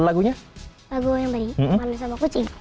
lagu yang baik malu sama kucing